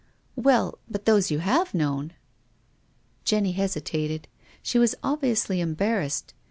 " Well — but those you have known !" Jenny hesitated. She was obviously cmbar rassed.